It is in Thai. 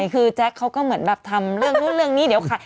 เขาก็เหมือนดับทำเรื่องนี่